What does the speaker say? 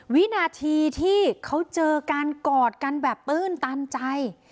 วินาทีที่เขาเจอการกอดกันแบบตื้นตันใจ